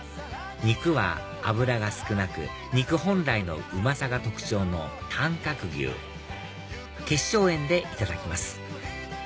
肉は脂が少なく肉本来のうまさが特徴の短角牛結晶塩でいただきます